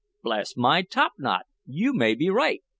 "Bless my top knot, you may be right!"